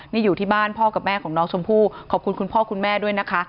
นี่อยู่ที่บ้านพ่อกับแม่ของน้องชมพู่ขอบคุณคุณพ่อคุณแม่ด้วยนะคะ